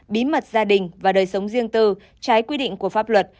bí mật gia đình và đời sống riêng tư trái quy định của pháp luật